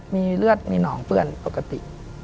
มีเลือดมีหนองเปื่อนปกติ